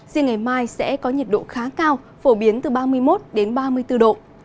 riêng ngày mai sẽ có nhiệt độ khá cao phổ biến từ ba mươi một đến ba mươi bốn độ